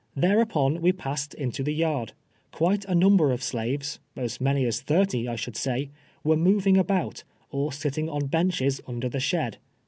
Thereup on we passed into the yard, (^uite a nnnd)er of slaves, :is many as thirty I should say, were moving about, or sitting on benches under the shed.